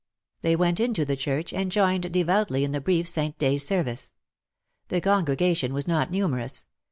They went into the church, and joined devoutly in the brief Saint's Day service. The congregation was not numerous.